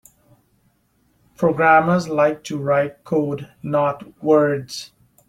Programmers like to write code; not words.